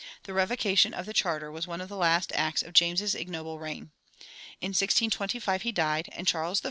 The revocation of the charter was one of the last acts of James's ignoble reign. In 1625 he died, and Charles I.